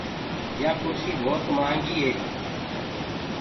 يآ ڪُرسي ڀوت مهآنگيٚ هي۔